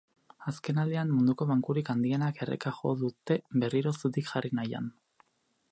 Azkenaldian munduko bankurik handienak erreka jo dute berriro zutik jarri nahian.